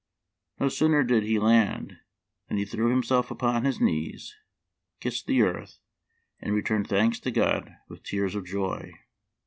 No sooner did he land than he threw himself upon his knees, kissed the earth, and returned thanks to God with tears of joy.